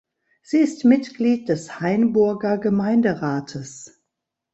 Sie ist Mitglied des Hainburger Gemeinderates.